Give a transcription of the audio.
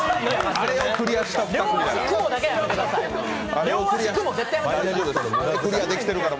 あれをクリアした２組だから。